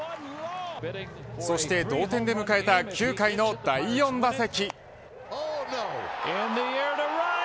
そして同点で迎えた９回の第４打席。